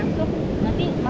nanti masuk kesini lagi pak